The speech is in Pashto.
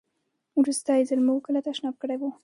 وروستی ځل مو کله تشناب کړی و؟